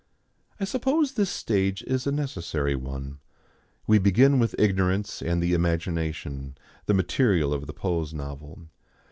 I suppose this stage is a necessary one. We begin with ignorance and the imagination, the material of the pose novel.